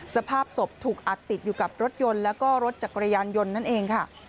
สภาพศพถูกอัดติดอยู่กับรถยนต์แล้วก็รถจักรยานยนต์นั่นเองค่ะ